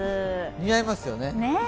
似合いますよね。